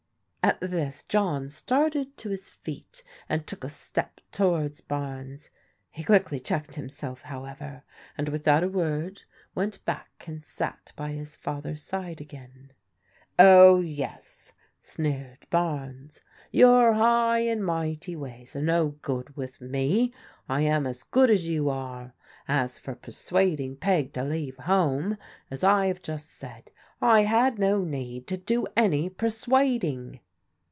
At this John started to his feet, and took a step to wards Barnes; he quickly checked himself, however, and without a word went back and sat by his father's side again. "Oh, yes," sneered Barnes, "your high and mighty ways are no good with me. I am as good as you are. As for persuading Peg to leave home, as I have just said, I had no need to do any persuading."